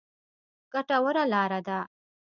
ګټوره لاره ده.